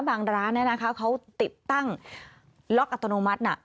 บางร้านเนี่ยนะคะเขาติดตั้งล็อกอัตโนมัตินะ